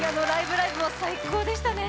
ライブ！」も最高でしたね。